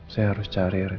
saya harus cari ren